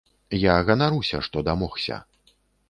Я ганаруся, што дамогся.